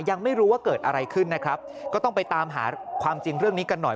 ยังไม่รู้ว่าเกิดอะไรขึ้นนะครับก็ต้องไปตามหาความจริงเรื่องนี้กันหน่อย